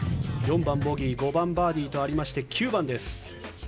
４番、ボギー５番、バーディーとありまして９番です。